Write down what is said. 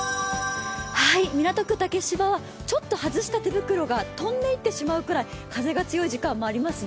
港区竹芝はちょっと外した手袋が飛んでいってしまうくらい風が強い時間がありますね。